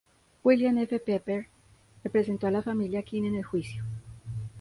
William F. Pepper representó a la familia King en el juicio.